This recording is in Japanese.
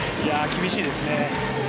厳しいですね。